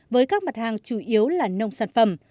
với các mặt hàng chủ yếu là nông sản phẩm